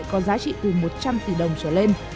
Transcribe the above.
có giá trị từ một trăm linh tỷ đồng trở lên